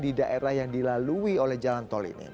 di daerah yang dilalui oleh jalan tol ini